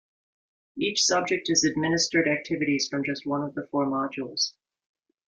Each subject is administered activities from just one of the four modules.